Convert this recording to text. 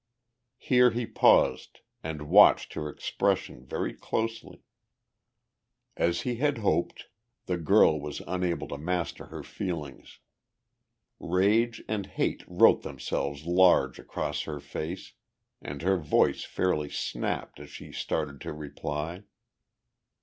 Here he paused and watched her expression very closely. As he had hoped, the girl was unable to master her feelings. Rage and hate wrote themselves large across her face and her voice fairly snapped as she started to reply.